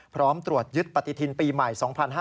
พร้อมตรวจยึดปฏิทินปีใหม่๒๕๕๙